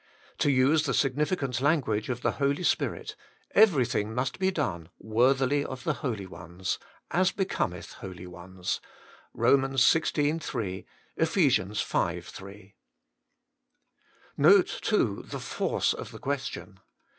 To use the significant language of the Holy Spirit : Every thing must be done, 'worthily of the holy ones,' ' as becometh holy ones ' (Eom. xvL 3 ; Eph. v. 3). Note, too, the force of the question.